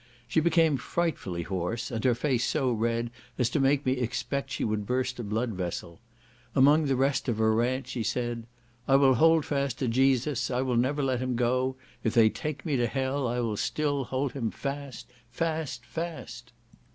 She became frightfully hoarse, and her face so red as to make me expect she would burst a blood vessel. Among the rest of her rant, she said, "I will hold fast to Jesus, I never will let him go; if they take me to hell, I will still hold him fast, fast, fast!"